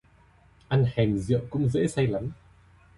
Ăn hèm rượu cũng dễ say lắm